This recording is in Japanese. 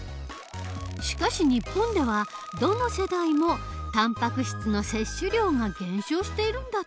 しかし日本ではどの世代もたんぱく質の摂取量が減少しているんだって。